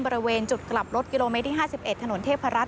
บริเวณจุดกลับรถกิโลเมตรที่๕๑ถนนเทพรัฐ